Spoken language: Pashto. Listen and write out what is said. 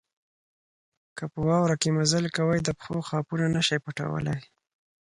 که په واوره کې مزل کوئ د پښو خاپونه نه شئ پټولای.